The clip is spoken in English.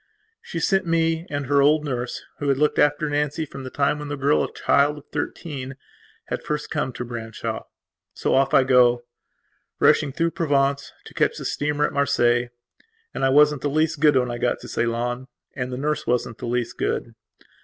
She sent me and her old nurse, who had looked after Nancy from the time when the girl, a child of thirteen, had first come to Branshaw. So off I go, rushing through Provence, to catch the steamer at Marseilles. And I wasn't the least good when I got to Ceylon; and the nurse wasn't the least good.